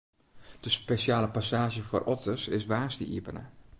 De spesjale passaazje foar otters is woansdei iepene.